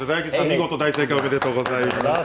見事正解おめでとうございます。